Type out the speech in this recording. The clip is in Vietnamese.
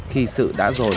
khi sự đã rồi